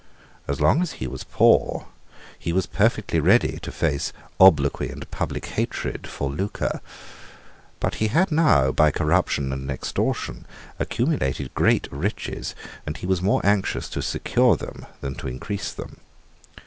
As long as he was poor, he was perfectly ready to face obloquy and public hatred for lucre. But he had now, by corruption and extortion, accumulated great riches; and he was more anxious to secure them than to increase them.